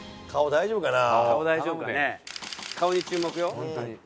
大丈夫かな？